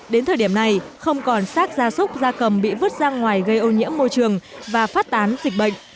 đến thời điểm này không còn sắc gia súc gia cầm bị vứt ra ngoài gây ô nhiễm môi trường và phát tán dịch bệnh